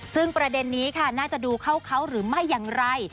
ซึ่งประเด็นนี้ค่ะน่าจะดูเข้าเขาหรือไม่อย่างไร